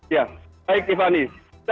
ya baik tiffany